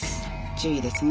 注意ですね。